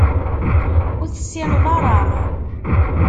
Ur tessineḍ ara.